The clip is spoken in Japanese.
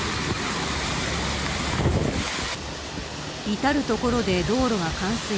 至る所で道路が冠水。